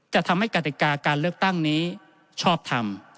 จะทำให้กติกาการเลือกตั้งนี้ชอบทำ